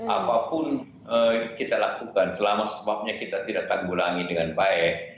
apapun kita lakukan selama sebabnya kita tidak tanggulangi dengan baik